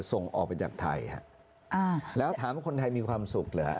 ส่งออกไปจากไทยฮะอ่าแล้วถามว่าคนไทยมีความสุขเหรอ